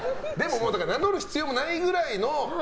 名乗る必要もないぐらいの。